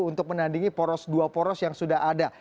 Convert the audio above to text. untuk menandingi poros dua poros yang sudah ada